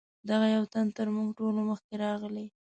دغه یو تن تر موږ ټولو مخکې راغلی.